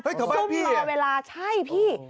เฮ้ยเธอบ้านพี่เนี่ยซุ่มรอเวลาใช่พี่